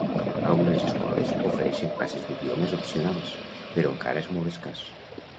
Algunes escoles ofereixen classes d'idiomes opcionals, però encara és molt escàs.